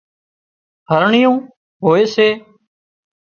هرڻيئيون هوئي سي